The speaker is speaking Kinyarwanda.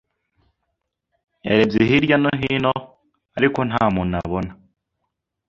Yarebye hirya no hino, ariko nta muntu abona.